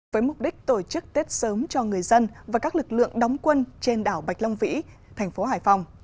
với mục đích tổ chức tết sớm cho người dân và các lực lượng đóng quân trên đảo bạch long vĩ thành phố hải phòng